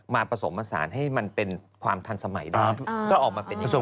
มาเประสมศาลให้กฎลงสมัยก็ออกมาเป็นอย่างอื่น